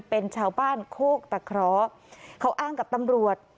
เป็นชาวบ้านโคกตะเคราะห์เขาอ้างกับตำรวจ